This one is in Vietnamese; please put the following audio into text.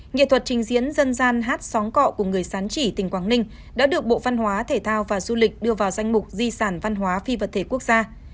nghệ thuật trình diễn dân gian hát sáng cọ của người sán chỉ tỉnh quảng ninh đã được bộ văn hóa thể thao và du lịch đưa vào danh mục di sản văn hóa phi vật thể quốc gia